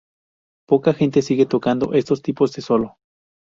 Poca gente sigue tocando estos tipos de solo".